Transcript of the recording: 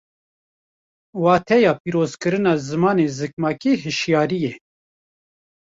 Wateya pîrozkirina zimanê zikmakî hîşyarî ye